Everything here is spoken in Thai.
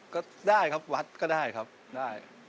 ก็ได้ครับวัดก็ได้ครับได้